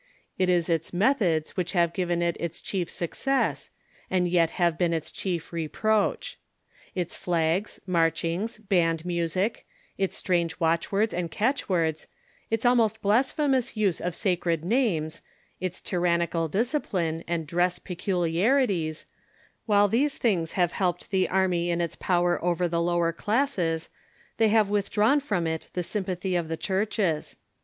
It is its methods which have given it its chief success, and yet have been its chief reproach. Its flags, marchings, band music, its strange watchwords and catch words, its almost blas])hemous use of sacred names, its tj^'an nical discipline, and dress peculiarities — while these things have lielped the Army in its power over the lower classes, they have withdrawn from it the sympathy of the Churches.